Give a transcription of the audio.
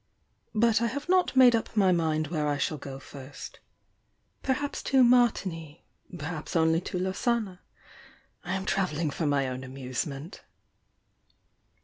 "But I have not made up my mind where I shall go first. Perhaps to Martigny— perhaps only to Lausanne. I am travelling for my own amuse ment."